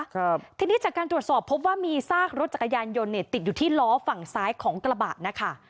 ครับทีนี้จากการตรวจสอบพบว่ามีซากรถจักรยานยนต์เนี่ยติดอยู่ที่ล้อฝั่งซ้ายของกระบะนะคะ